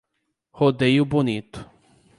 Rodeio Bonito